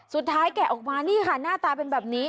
แกะออกมานี่ค่ะหน้าตาเป็นแบบนี้